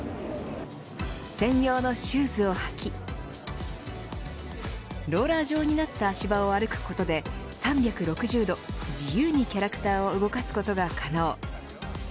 専用のシューズを履きローラー状になった足場を歩くことで３６０度自由にキャラクターを動かすことが可能。